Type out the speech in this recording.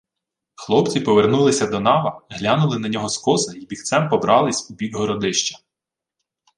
Хлопці повернулися до нава, глянули на нього скоса й бігцем побрались у бік Городища.